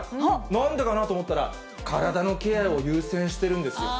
なんでかなと思ったら、体のケアを優先してるんですよ。